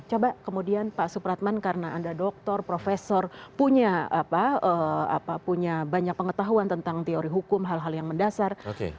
coba kemudian pak supratman karena anda doktor profesor punya banyak pengetahuan tentang teori hukum hal hal yang mendasar